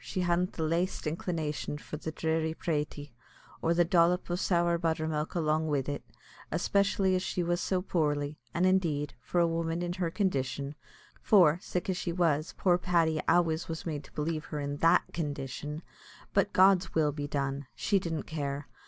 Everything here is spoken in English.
she hadn't the laist inclination for the dhry pratie, or the dhrop o' sour buttermilk along wid it, especially as she was so poorly; and, indeed, for a woman in her condition for, sick as she was, poor Paddy always was made to believe her in that condition but God's will be done! she didn't care.